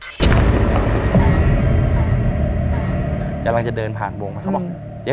กำลังจะเดินผ่านโรงพยาบาล